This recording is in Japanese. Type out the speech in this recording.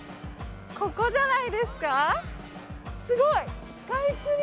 ここじゃないですか？